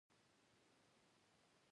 موږ یې د چا او په چا څه کوو.